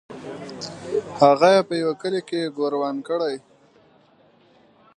هغه یې په یوه کلي کې ګوروان کړی.